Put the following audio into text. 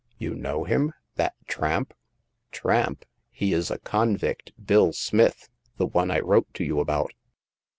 You know him— that tramp ?"Tramp [ He is a convict — Bill Smith — ^the one I wrote to you about."